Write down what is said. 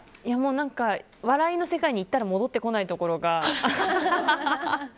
笑いの世界に行ったら戻ってこないところが。